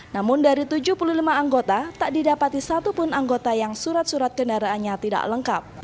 namun dari tujuh puluh lima anggota tak didapati satupun anggota yang surat surat kendaraannya tidak lengkap